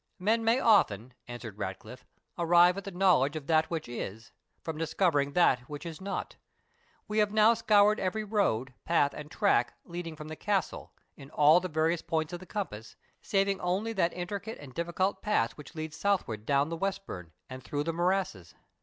"Men may often," answered Ratcliffe, "arrive at the knowledge of that which is, from discovering that which is not. We have now scoured every road, path, and track leading from the castle, in all the various points of the compass, saving only that intricate and difficult pass which leads southward down the Westburn, and through the morasses."